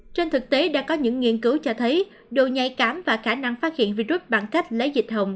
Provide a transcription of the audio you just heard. trên thực tế đã có những nghiên cứu cho thấy độ nhạy cảm và khả năng phát hiện virus bằng cách lấy dịch hồng